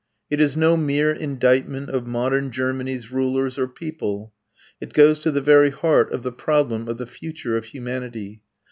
It is no mere indictment of modern Germany's rulers or people. It goes to the very heart of the problem of the future of humanity.